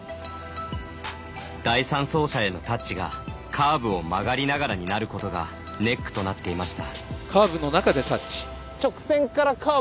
第３走者へのタッチがカーブを曲がりながらになることがネックとなっていました。